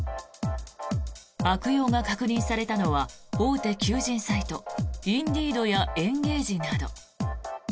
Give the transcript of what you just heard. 悪用が確認されたのは大手求人サイトＩｎｄｅｅｄやエンゲージなど。